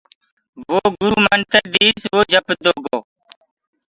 تو وو جيڪو گُرو منتر ديس وو ئي جپدو گو۔